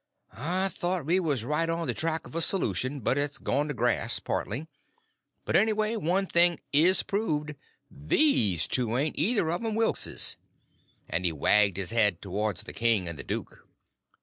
I thought we was right on the track of a solution, but it's gone to grass, partly. But anyway, one thing is proved—these two ain't either of 'em Wilkses"—and he wagged his head towards the king and the duke.